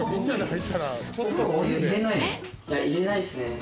入れないですね。